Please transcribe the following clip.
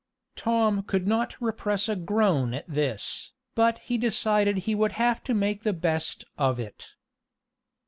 Tom could not repress a groan at this, but he decided he would have to make the best of it.